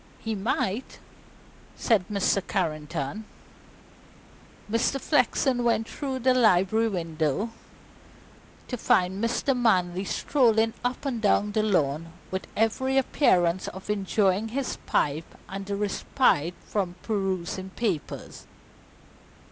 "He might," said Mr. Carrington. Mr. Flexen went through the library window to find Mr. Manley strolling up and down the lawn with every appearance of enjoying his pipe and the respite from perusing papers.